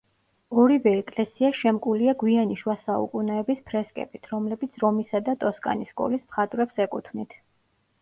ორივე ეკლესია შემკულია გვიანი შუა საუკუნეების ფრესკებით, რომლებიც რომისა და ტოსკანის სკოლის მხატვრებს ეკუთვნით.